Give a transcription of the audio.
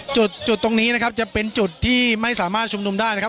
จุดตรงนี้นะครับจะเป็นจุดที่ไม่สามารถชุมนุมได้นะครับ